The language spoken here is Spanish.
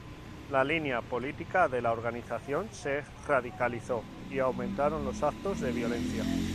La línea política de la organización se radicalizó y aumentaron los actos de violencia.